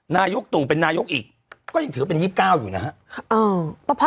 นายกตู่เป็นนายกอีกก็ยังถือว่าเป็น๒๙อยู่นะครับ